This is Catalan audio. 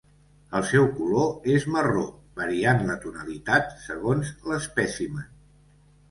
El seu color és marró, variant la tonalitat segons l'espècimen.